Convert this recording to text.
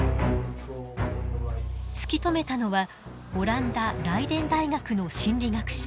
突き止めたのはオランダライデン大学の心理学者